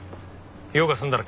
用が済んだら切れ。